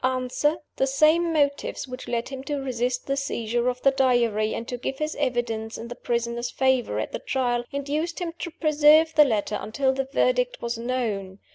"Answer: The same motives which led him to resist the seizure of the Diary, and to give his evidence in the prisoner's favor at the Trial, induced him to preserve the letter until the verdict was known.